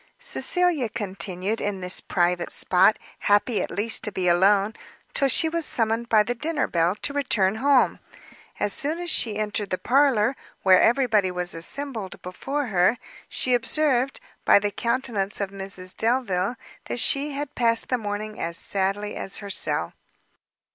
Cecilia continued in this private spot, happy at least to be alone, till she was summoned by the dinner bell to return home. As soon as she entered the parlour, where every body was assembled before her, she observed, by the countenance of Mrs Delvile, that she had passed the morning as sadly as herself.